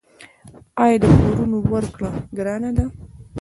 آیا د پورونو ورکړه ګرانه ده؟